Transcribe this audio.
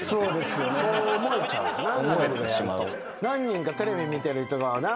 何人かテレビ見てる人がな